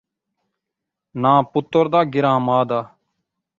ناں پتر دا ، گران٘ہہ ماء دا